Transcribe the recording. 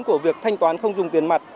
của việc thanh toán không dùng tiền mặt